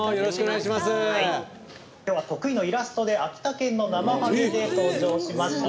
今日は得意のイラストで秋田県のなまはげで登場しました。